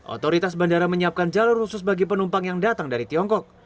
otoritas bandara menyiapkan jalur khusus bagi penumpang yang datang dari tiongkok